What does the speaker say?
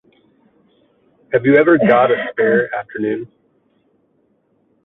Have you ever got a spare afternoon?